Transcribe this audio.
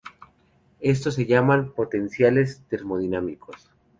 Estos se llaman potenciales termodinámicos.